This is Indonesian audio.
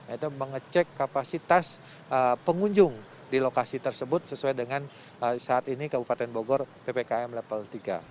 itu mengecek kapasitas pengunjung di lokasi tersebut sesuai dengan saat ini kabupaten bogor ppkm level tiga